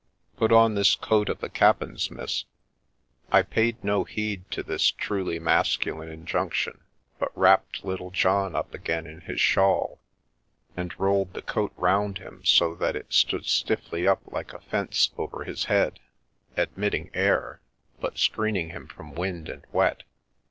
" Put on this coat of the cap 9 en's, miss." I paid no heed to this truly masculine injunction, but wrapped little John up again in his shawl, and rolled the coat round him so that it stood stiffly up like a fence over his head, admitting air, but screening him from wind and wet.